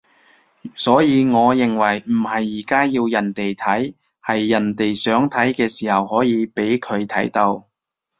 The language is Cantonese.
所以我認為唔係而家要人哋睇，係人哋想睇嘅時候可以畀佢睇到